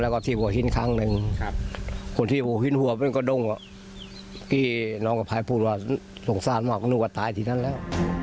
ก็นึกว่าตายที่นั่นแล้ว